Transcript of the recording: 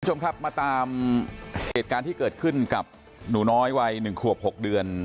คุณผู้ชมครับมาตามเหตุการณ์ที่เกิดขึ้นกับหนูน้อยวัย๑ขวบ๖เดือน